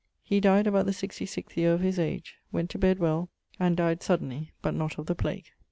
He dyed about the 66th yeare of his age: went to bed well, and dyed suddenly but not of the plague.